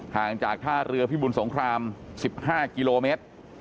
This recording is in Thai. ห่างจากท่าเรือพิบุญสงคราม๑๕กิโลเมตร